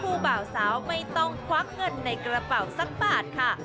บ่าวสาวไม่ต้องควักเงินในกระเป๋าสักบาทค่ะ